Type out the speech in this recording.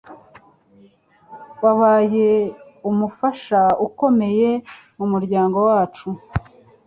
Wabaye umufasha ukomeye mumuryango wacu.